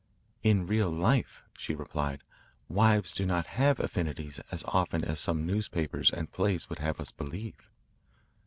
"In real life," she replied, "wives do not have affinities as often as some newspapers and plays would have us believe."